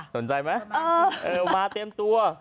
สนใจไหมเออมาเตรียมตัว